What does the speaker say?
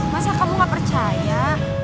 masa kamu gak percaya